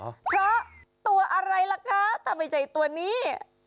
เพราะตัวอะไรล่ะคะทำไมใจตัวนี้